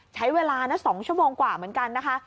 ใช้เวลานะ๒ชั่วโมงกว่าเหมือนกันนะคะ